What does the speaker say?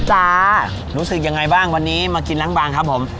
ต้องเอาแบบติดมันด้วยครับ